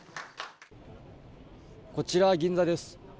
こちら、銀座です。